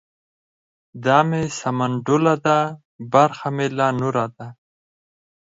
ـ دا مې سمنډوله ده برخه مې لا نوره ده.